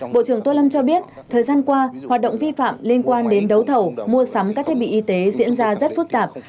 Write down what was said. bộ trưởng tô lâm cho biết thời gian qua hoạt động vi phạm liên quan đến đấu thầu mua sắm các thiết bị y tế diễn ra rất phức tạp